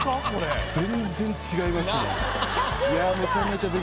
全然違いますね。